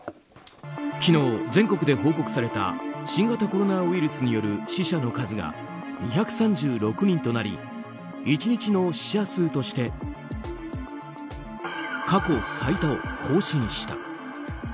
昨日、全国で報告された新型コロナウイルスによる死者の数が２３６人となり１日の死者数として過去最多を更新した。